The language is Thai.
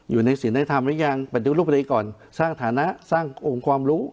อยู่ในศิลป์นักธรรมยังประดูกรูปอะไรก่อนสร้างฐานะสร้างองค์ความรู้